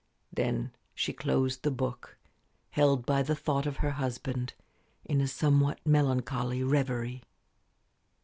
Then she closed the book, held by the thought of her husband in a somewhat melancholy reverie.